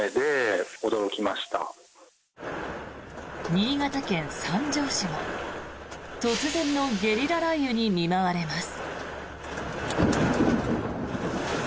新潟県三条市も突然のゲリラ雷雨に見舞われます。